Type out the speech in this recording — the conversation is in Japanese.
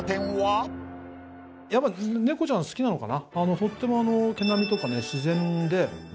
やっぱり猫ちゃん好きなのかな？